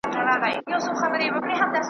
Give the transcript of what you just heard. د نامردو ګوزارونه وار په وار سي .